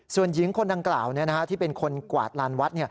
ส่วนหญิงคนดังกล่าวที่เป็นคนกวาดลานวัด